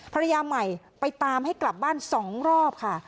ภรรยาใหม่ไปตามให้กลับบ้าน๒รอบค่ะ